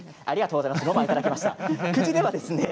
ありがとうございます。